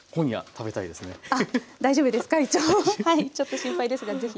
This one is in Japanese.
ちょっと心配ですが是非。